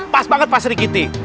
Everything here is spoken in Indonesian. pas banget pak sri kitty